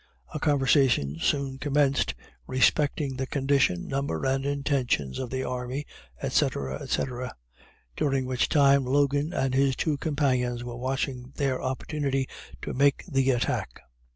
A conversation soon commenced respecting the condition, number, and intentions of the army, &c., &c., during which time Logan and his two companions were watching their opportunity to make the attack.